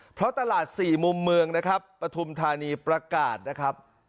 เพราะตลาดสี่มุมเมืองนะครับปฐุมธานีประกาศนะครับ